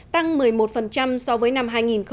tăng một mươi một so với năm hai nghìn một mươi bảy